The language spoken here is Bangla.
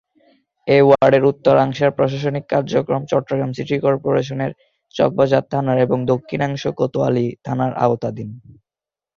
এ ওয়ার্ডের উত্তরাংশের প্রশাসনিক কার্যক্রম চট্টগ্রাম সিটি কর্পোরেশনের চকবাজার থানার এবং দক্ষিণাংশ কোতোয়ালী থানার আওতাধীন।